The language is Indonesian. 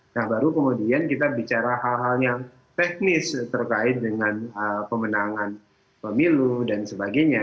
nah baru kemudian kita bicara hal hal yang teknis terkait dengan pemenangan pemilu dan sebagainya